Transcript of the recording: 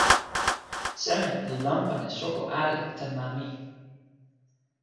seme li lanpan e soko ale tan ma mi?